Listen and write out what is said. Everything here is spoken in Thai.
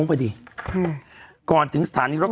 มะนาว